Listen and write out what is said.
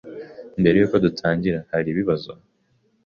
Mbere yuko dutangira, hari ibibazo?